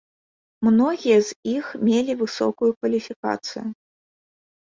Многія з іх мелі высокую кваліфікацыю.